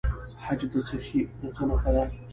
حج د څه نښه ده؟